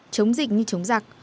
chống dịch như chống giặc